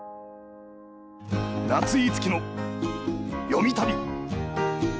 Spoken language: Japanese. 「夏井いつきのよみ旅！」。